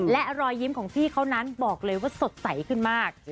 และรอยยิ้มของพี่เขานั้นบอกเลยว่าสดใสขึ้นมาก